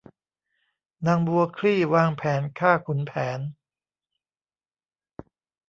นางบัวคลี่วางแผนฆ่าขุนแผน